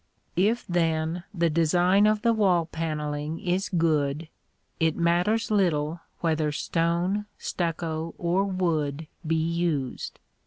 If, then, the design of the wall panelling is good, it matters little whether stone, stucco, or wood be used.